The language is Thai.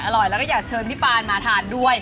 อร่อยแล้วก็อยากเชิญพี่ปานมาทานด้วย